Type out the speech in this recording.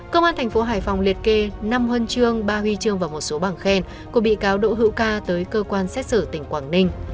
công an thành phố hải phòng liệt kê năm huân chương ba huy chương và một số bằng khen của bị cáo đỗ hữu ca tới cơ quan xét xử tỉnh quảng ninh